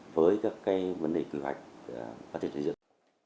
với các vấn đề kế hoạch phát triển chế dựng